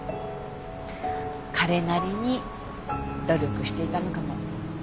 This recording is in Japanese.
彼なりに努力していたのかも。